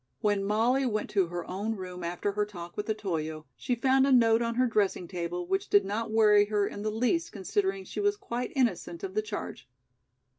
When Molly went to her own room after her talk with Otoyo, she found a note on her dressing table which did not worry her in the least considering she was quite innocent of the charge.